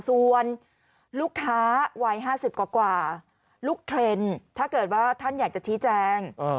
ส่วนลูกค้าวัย๕๐กว่าลูกเทรนด์ถ้าเกิดว่าท่านอยากจะชี้แจง